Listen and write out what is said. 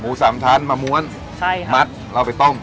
หมูสามชั้นมาม้วนใช่ครับมัดเราเอาไปต้ม